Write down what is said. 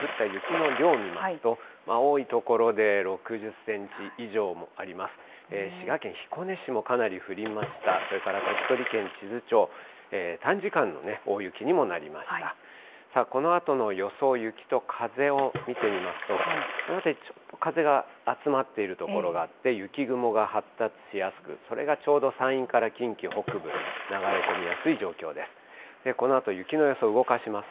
このあとの予想、雪と風を見てみますと、この辺り風が集まっている所があって、雪雲が発達しやすく、それがちょうど山陰から近畿北部、流れ込みやすい状況です。